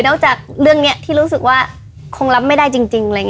นอกจากเรื่องนี้ที่รู้สึกว่าคงร้ำไม่ได้จริง